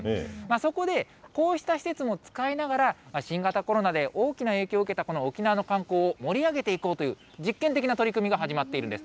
そこで、こうした施設も使いながら、新型コロナで大きな影響を受けたこの沖縄の観光を盛り上げていこうという、実験的な取り組みが始まっているんです。